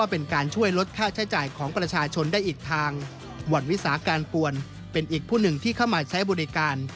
เป็นอีกผู้หนึ่งที่เข้ามาใช้บริการ